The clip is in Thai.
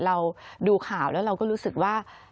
เราดูข่าวแล้วเราก็รู้สึกว่า